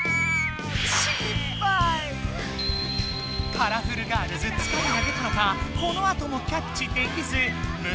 カラフルガールズつかれが出たのかこのあともキャッチできずむ